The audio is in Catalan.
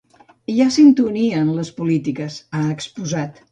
“Hi ha sintonia en les polítiques”, ha exposat.